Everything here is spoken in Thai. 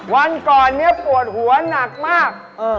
วันก่อนนี้ปวดหัวหนักมาก